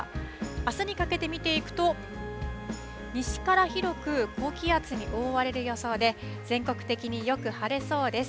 あすにかけて見ていくと、西から広く高気圧に覆われる予想で、全国的によく晴れそうです。